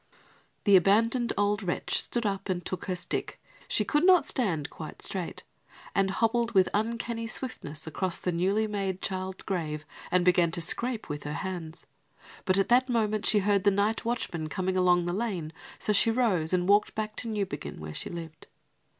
The abandoned old wretch stood up and took her stick she could not stand quite straight and hobbled with uncanny swiftness across to a newly made child's grave and began to scrape with her hands; but at that moment she heard the night watchman coming along the lane; so she rose and walked back to Newbiggin, where she lived.